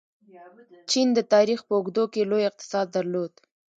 چین د تاریخ په اوږدو کې لوی اقتصاد درلود.